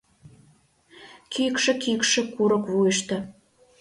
Кӱкшӧ-кӱкшӧ курык вуйышто